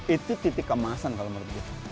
itu titik kemasan kalo menurut gue